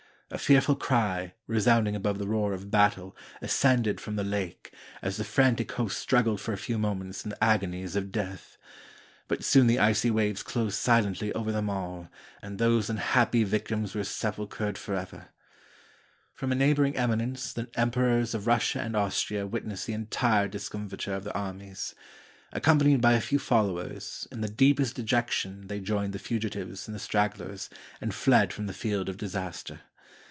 A fearful cry, resound ing above the roar of battle, ascended from the lake, as the frantic host struggled for a few moments in the agonies of death. But soon the icy waves closed silently over them all, and those unhappy victims were sepul chered forever. From a neighboring eminence the Em perors of Russia and Austria witnessed the entire discom fiture of their armies. Accompanied by a few followers, in the deepest dejection they joined the fugitives and the stragglers, and fled from the field of disaster.